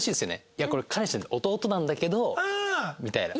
「いやこれ彼氏じゃなくて弟なんだけど」みたいな。